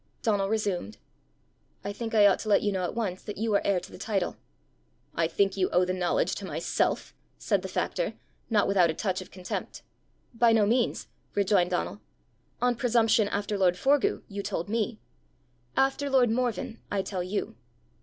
Donal resumed. "I think I ought to let you know at once that you are heir to the title." "I think you owe the knowledge to myself!" said the factor, not without a touch of contempt. "By no means," rejoined Donal: "on presumption, after lord Forgue, you told me; after lord Morven, I tell you."